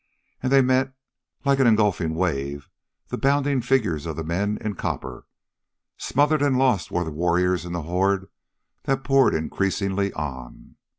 And they met, like an engulfing wave, the bounding figures of the men in copper. Smothered and lost were the warriors in the horde that poured increasingly on.